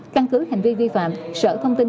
căn cứ hành vi vi phạm sở thông tin